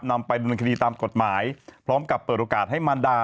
นำไปดำเนินคดีตามกฎหมายพร้อมกับเปิดโอกาสให้มารดา